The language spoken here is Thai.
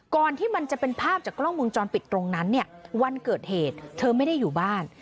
ที่มันจะเป็นภาพจากกล้องวงจรปิดตรงนั้นเนี่ยวันเกิดเหตุเธอไม่ได้อยู่บ้าน